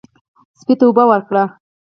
سپي ته اوبه ورکړئ.